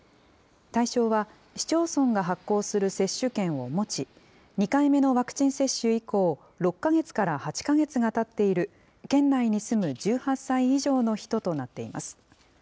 対象は市町村が発行する接種券を持ち、２回目のワクチン接種以降、６か月から８か月がたっている県内に住む１８歳以上の人となっています。